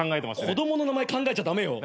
子供の名前考えちゃ駄目よ。